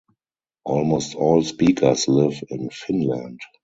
Almost all speakers live in Finland.